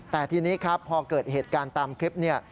แต่ทีนี้ครับพอเกิดเหตุการณ์ตามคลิปเนี่ย